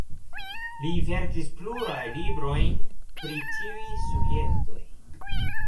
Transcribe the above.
Li verkis pluraj librojn pri tiuj subjektoj.